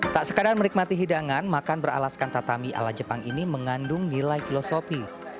tak sekadar menikmati hidangan makan beralaskan tatami ala jepang ini mengandung nilai filosofi